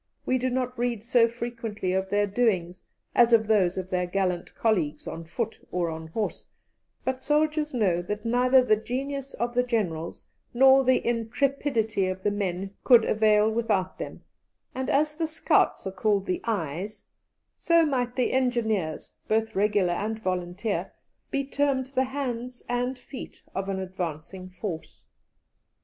We do not read so frequently of their doings as of those of their gallant colleagues on foot or on horse; but soldiers know that neither the genius of the Generals nor the intrepidity of the men could avail without them; and as the scouts are called the eyes, so might the engineers, both regular and volunteer, be termed the hands and feet, of an advancing force.